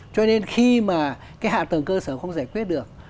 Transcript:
cho nên khi mà cái hạ tầng cơ sở không giải quyết được